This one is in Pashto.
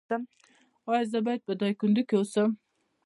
ایا زه باید په دایکندی کې اوسم؟